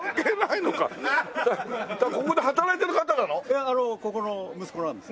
いやここの息子なんです。